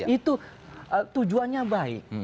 itu tujuannya baik